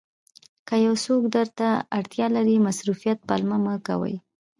که یو څوک درته اړتیا لري مصروفیت پلمه مه کوئ.